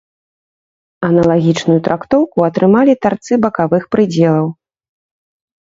Аналагічную трактоўку атрымалі тарцы бакавых прыдзелаў.